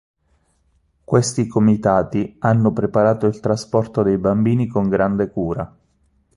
Questi comitati hanno preparato il trasporto dei bambini con grande cura.